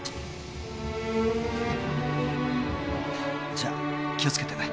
じゃ気をつけてね。